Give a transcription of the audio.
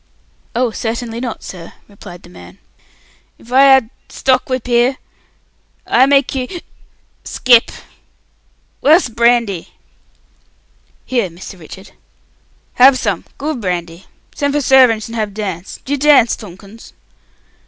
"Oh, certainly not, sir," replied the man. "If I had stockwhip here I'd make you hic skip! Whar's brandy?" "Here, Mr. Richard." "Have some! Good brandy! Send for servantsh and have dance. D'you dance, Tomkins?"